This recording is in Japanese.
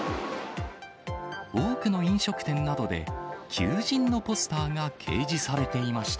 多くの飲食店などで、求人のポスターが掲示されていました。